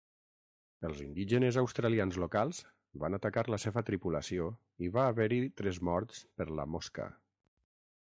Els indígenes australians locals van atacar la seva tripulació i va haver-hi tres morts per la "mosca".